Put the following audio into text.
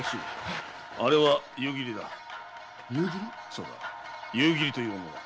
そうだ夕霧という女だ。